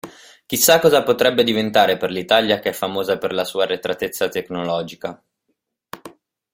Chissà cosa potrebbe diventare per l'Italia che è famosa per la sua arretratezza tecnologica.